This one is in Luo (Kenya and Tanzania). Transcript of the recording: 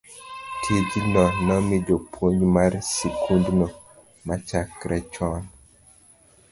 tijno nomi japuonj mar skundno machakre chon